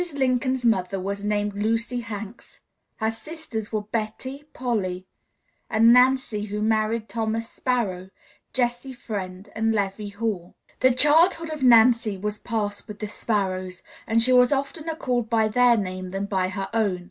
Lincoln's mother was named Lucy Hanks; her sisters were Betty, Polly, and Nancy who married Thomas Sparrow, Jesse Friend, and Levi Hall. The childhood of Nancy was passed with the Sparrows, and she was oftener called by their name than by her own.